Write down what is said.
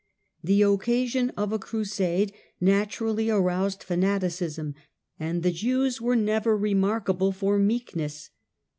The occasion ^*' of a Crusade naturally aroused fanaticism ; and the Jews were never remarkable for meekness.